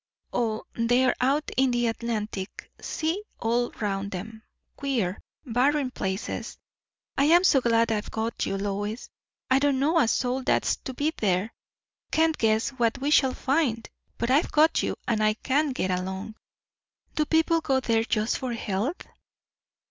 O, they're out in the Atlantic sea all round them queer, barren places. I am so glad I've got you, Lois! I don't know a soul that's to be there can't guess what we shall find; but I've got you, and I can get along." "Do people go there just for health?"